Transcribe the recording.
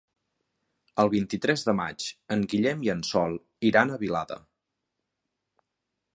El vint-i-tres de maig en Guillem i en Sol iran a Vilada.